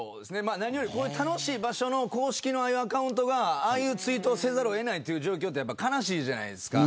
何より楽しい場所の公式アカウントがああいうツイートをせざるを得ない状況は悲しいじゃないですか。